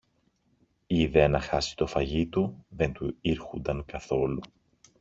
Η ιδέα να χάσει το φαγί του δεν του ήρχουνταν καθόλου.